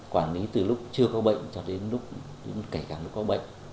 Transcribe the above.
quản lý từ lúc chưa có bệnh cho đến lúc kể cả lúc có bệnh